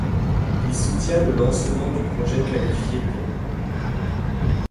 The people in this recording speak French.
Il soutient le lancement du projet qualifié d'.